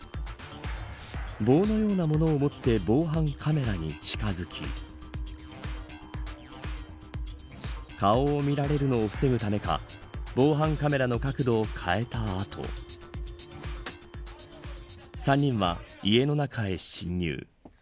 棒のようなものを持って防犯カメラに近づき顔を見られるのを防ぐためか防犯カメラの角度を変えた後３人は家の中へ侵入。